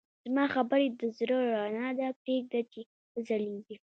زما خبرې د زړه رڼا ده، پرېږده چې وځلېږي.